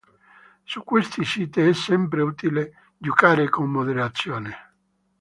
Su questi siti è sempre utile giocare con moderazione.